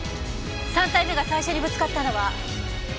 ３体目が最初にぶつかったのは？